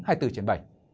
tài chính hai mươi bốn bảy